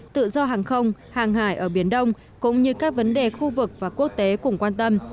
tự do hàng không hàng hải ở biển đông cũng như các vấn đề khu vực và quốc tế cùng quan tâm